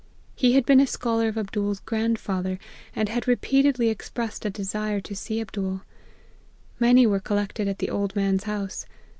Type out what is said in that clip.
He had been a scholar of Abdool's grandfather, and had repeat edly expressed a desire to see Abdool. Many were collected at the old man's house.